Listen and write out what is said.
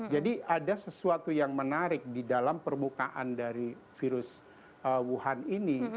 ada sesuatu yang menarik di dalam permukaan dari virus wuhan ini